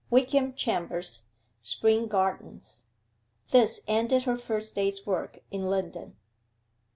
WYKEHAM CHAMBERS, SPRING GARDENS. This ended her first day's work in London.